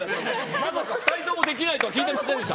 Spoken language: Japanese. まさか２人ともできないとは聞いてませんでした。